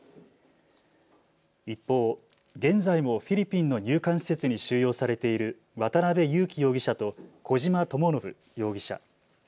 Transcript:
一方、現在もフィリピンの入管施設に収容されている渡邉優樹容疑者と小島智信容疑者。